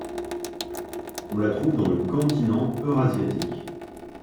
On la trouve dans le continent eurasiatique.